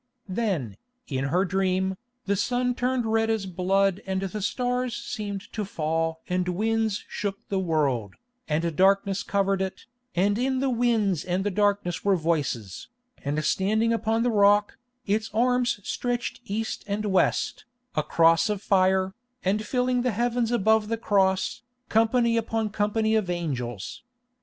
Then, in her dream, the sun turned red as blood and the stars seemed to fall and winds shook the world, and darkness covered it, and in the winds and the darkness were voices, and standing upon the rock, its arms stretched east and west, a cross of fire, and filling the heavens above the cross, company upon company of angels.